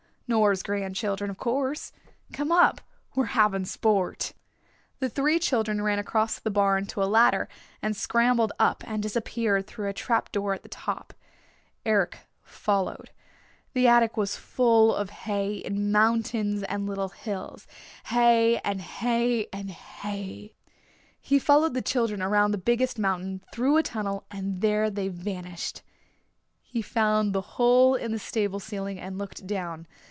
"Nora's grandchildren, of course. Come up. We're having sport." The three children ran across the barn to a ladder and scrambled up and disappeared through a trap door at the top. Eric followed. The attic was full of hay in mountains and little hills, hay and hay and hay. He followed the children around the biggest mountain, through a tunnel and there they vanished! He found the hole in the stable ceiling and looked down.